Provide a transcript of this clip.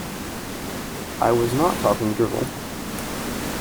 I was not talking drivel.